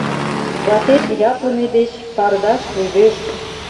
Ватет ятлыме деч пардаш лӱдеш.